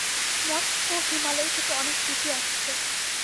মঠ ও হিমালয় থেকে অনেক চিঠি আসছে।